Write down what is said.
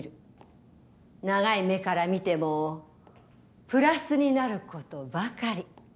長い目から見てもプラスになることばかり。